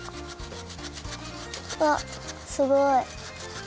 うわっすごい。